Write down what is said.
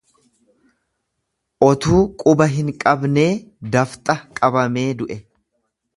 Otuu quba hin gabnee dafxa qabamee du'e.